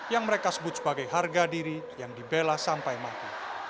yang mereka sebut sebagai harga diri yang dibela sampai mati